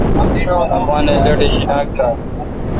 اپان دا لیٹ شینانگ ترال